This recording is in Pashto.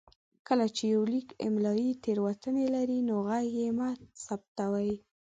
کله چې يو ليک املايي تېروتنې لري نو غږ يې مه ثبتوئ.